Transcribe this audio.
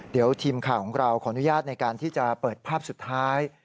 เดี๋ยวทีมข่าวของเราขออนุญาตในการที่จะเปิดภาพสุดท้าย